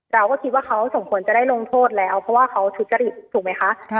เราก็คิดว่าเขาสมควรจะได้ลงโทษแล้วเพราะว่าเขาทุจริตถูกไหมคะ